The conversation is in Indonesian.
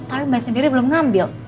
tapi mbak sendiri belum ngambil